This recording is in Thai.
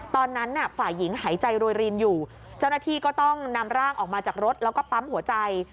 ตอนนั้นฝ่ายหญิงหายใจโรยรินอยู่เจ้าหน้าที่ก็ต้องนำร่างออกมาจากรถแล้วก็ปั๊มหัวใจ